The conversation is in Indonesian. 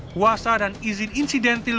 kuasa dan izin insidentil